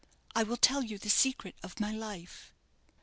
I will tell you the secret of my life."